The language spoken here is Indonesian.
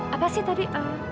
apa sih tadi